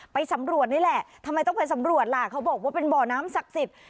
ไปสำรวจนี่แหละทำไมต้องไปสำรวจล่ะเขาบอกว่าเป็นบ่อน้ำศักดิ์สิทธิ์